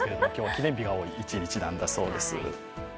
記念日が多い一日なんだそうです。